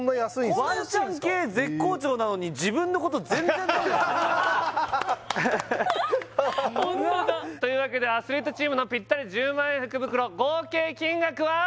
ワンちゃん系絶好調なのに自分のこと全然ダメだねというわけでアスリートチームのぴったり１０万円福袋合計金額は？